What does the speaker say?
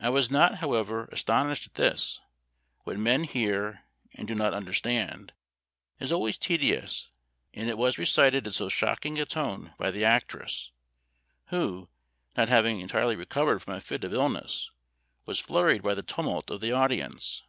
I was not, however, astonished at this; what men hear, and do not understand, is always tedious; and it was recited in so shocking a tone by the actress, who, not having entirely recovered from a fit of illness, was flurried by the tumult of the audience.